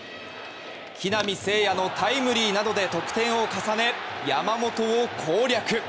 木浪聖也のタイムリーなどで得点を重ね、山本を攻略。